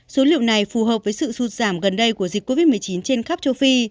số liệu này phù hợp với sự sụt giảm gần đây của dịch covid một mươi chín trên khắp châu phi